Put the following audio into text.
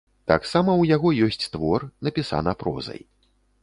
Таксама ў яго ёсць твор напісана прозай.